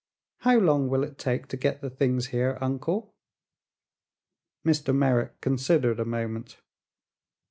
"How long will it take to get the things here, Uncle?" Mr. Merrick considered a moment.